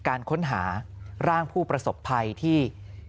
การค้นหาร่างผู้ประสบภัยที่